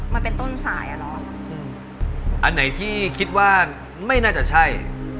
มันเป็นต้นสายอ่ะเนอะอันไหนที่คิดว่าไม่น่าจะใช่